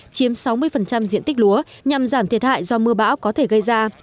chiếm sáu mươi diện tích lúa nhằm giảm thiệt hại do mưa bão có thể gây ra